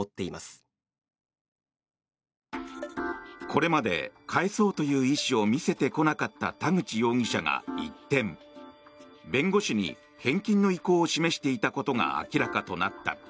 これまで返そうという意思を示してこなかった田口容疑者が一転弁護士に返金の意向を示していたことが明らかとなった。